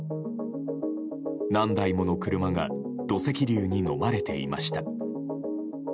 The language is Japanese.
何台もの車が土石流にのまれていました。